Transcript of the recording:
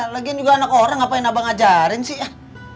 lagian juga anak orang apa yang abang ajarin sih